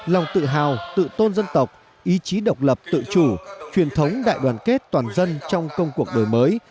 lòng tự hào tự tôn dân tộc ý chí độc lập tự chủ truyền thống đại đoàn kết toàn dân trong công cuộc đổi mới